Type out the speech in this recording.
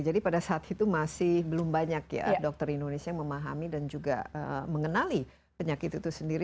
jadi pada saat itu masih belum banyak dokter indonesia yang memahami dan juga mengenali penyakit itu sendiri